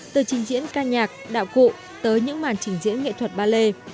từ trình diễn ca nhạc đạo cụ tới những màn trình diễn nghệ thuật ballet